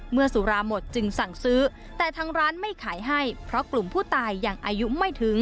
สุราหมดจึงสั่งซื้อแต่ทางร้านไม่ขายให้เพราะกลุ่มผู้ตายยังอายุไม่ถึง